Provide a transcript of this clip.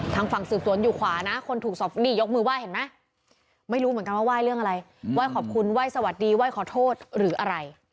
ทางฝั่งสืบสวนอยู่ขวานะคนถูกสอบนี่ยกมือไหว้เห็นไหมไม่รู้เหมือนกันว่าไหว้เรื่องอะไรไหว้ขอบคุณไหว้สวัสดีไหว้ขอโทษหรืออะไร